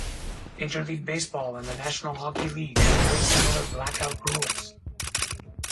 Major League Baseball and the National Hockey League have very similar blackout rules.